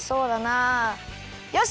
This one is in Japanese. よし！